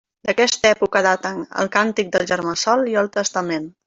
D'aquesta època daten el Càntic del germà Sol i el Testament.